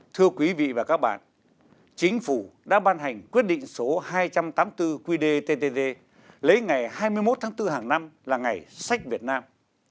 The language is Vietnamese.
thưa quý vị và các bạn chính phủ đã ban hành quyết định số hai trăm tám mươi bốn qdttg lấy ngày hai mươi một tháng bốn hàng năm là ngày sách việt nam